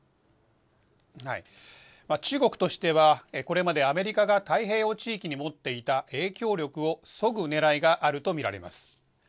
中国としては、これまでアメリカが太平洋地域に持っていた影響力を、そぐねらいがあると見られます。